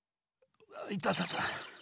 いたたた。